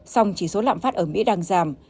song chỉ số lãm phát ở mỹ đang giảm